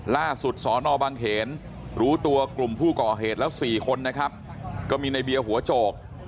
ล่าสุดสอนอบังเขนรู้ตัวกลุ่มผู้ก่อเหตุแล้ว๔คนนะครับก็มีในเบียร์หัวโจก